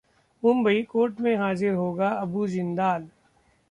Mumbai: court में हाजिर होगा अबू जिंदाल